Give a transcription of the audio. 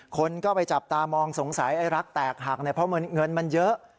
คนก็ไปจับตามองสงสัยไอ้รักแตกหักเนี่ยเพราะเงินมันเยอะ